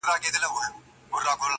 زه چي وګورمه تاته په لرزه سم,